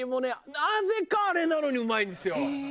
なぜかあれなのにうまいんですよ。